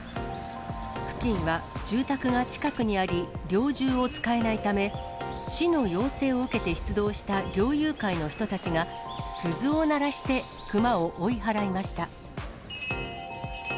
付近は住宅が近くにあり、猟銃を使えないため、市の要請を受けて出動した猟友会の人たちが、鈴を鳴らして熊を追い払いました。